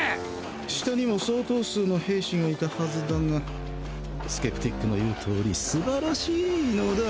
下にも相当数の兵士がいたはずだがスケプティックの言う通り素晴らしい異能だ。